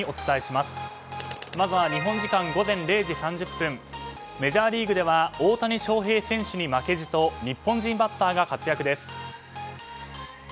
まず日本時間午前０時３分メジャーリーグでは大谷翔平選手に負けじと日本人バッターが活躍です。